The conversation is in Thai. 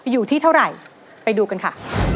อยู่ที่เท่าไหร่ไปดูกันค่ะ